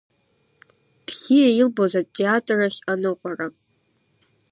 Бзиа илбоз атеатр ахь аныҟәара…